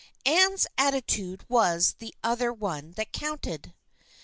Anne's atti tude was the one that counted.